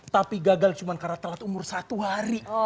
tapi gagal cuma karena telat umur satu hari